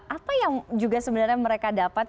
apa yang juga sebenarnya mereka dapat